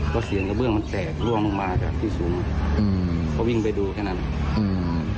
แล้วเสียงกระเบื้องมันแตกล่วงลงมาจากที่สูงอืมก็วิ่งไปดูแค่นั้นอืม